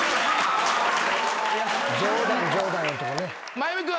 真弓君。